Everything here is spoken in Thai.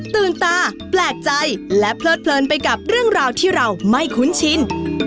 ตื่นตาแปลกใจและเพลิดเพลินไปกับเรื่องราวที่เราไม่คุ้นชิน